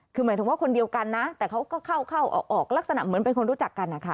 คือหมายถึงว่าคนเดียวกันนะแต่เขาก็เข้าออกลักษณะเหมือนเป็นคนรู้จักกันนะคะ